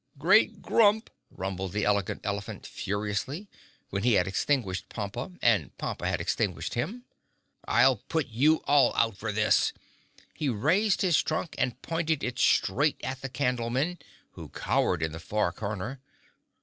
"Great Grump!" rumbled the Elegant Elephant furiously, when he had extinguished Pompa and Pompa had extinguished him. "I'll put you all out for this!" He raised his trunk and pointed it straight at the Candlemen, who cowered in the far corner.